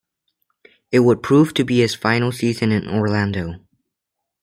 It would prove to be his final season in Orlando.